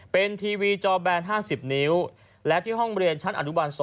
เป็นทีวีจอแบน๕๐นิ้วและที่ห้องเรียนชั้นอนุบาล๒